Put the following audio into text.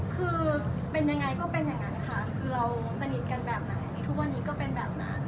คือเป็นยังไงก็เป็นอย่างนั้นค่ะคือเราสนิทกันแบบไหนทุกวันนี้ก็เป็นแบบนั้น